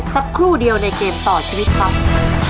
สักครู่เดียวในเกมต่อชีวิตครับ